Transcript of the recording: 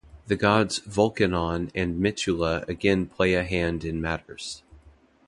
The gods Volcanon and Mitula again play a hand in matters.